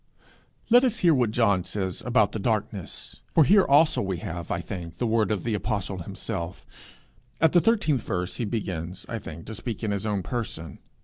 Let us hear what John says about the darkness. For here also we have, I think, the word of the apostle himself: at the 13th verse he begins, I think, to speak in his own person.